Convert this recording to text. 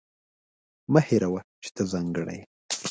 مه هېروه چې ته ځانګړې یې.